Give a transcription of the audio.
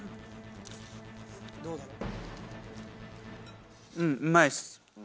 どうだろう？